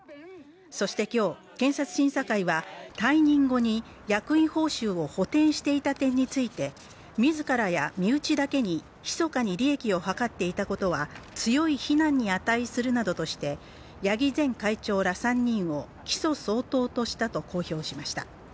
そして今日、検察審査会は退任後に役員報酬を補填していた点について自らや身内だけに密かに利益を図っていたことは強い非難に値するなどとして、八木前会長ら３人を、起訴相当としたと公表しました。